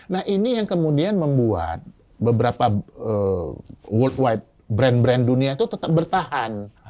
nah ini yang kemudian membuat beberapa world wide brand brand dunia itu tetap bertahan